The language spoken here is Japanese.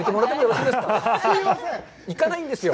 いかないんですよ。